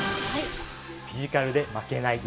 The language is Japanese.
フィジカルで負けない。